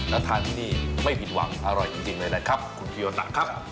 แล้วทานที่นี่ไม่ผิดหวังอร่อยจริงเลยนะครับคุณฟิลตะครับ